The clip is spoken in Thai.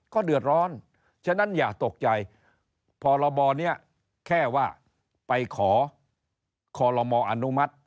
ก็เดือดร้อนฉะนั้นอย่าตกใจพรบนี้แค่ว่าไปขอคอลโลมออนุมัติ